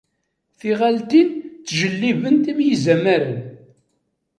Tiɣaltin ttjellibent am yizamaren.